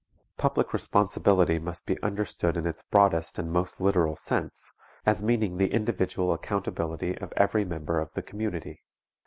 Public responsibility must be understood in its broadest and most literal sense, as meaning the individual accountability of every member of the community.